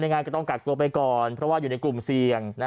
งานก็ต้องกักตัวไปก่อนเพราะว่าอยู่ในกลุ่มเสี่ยง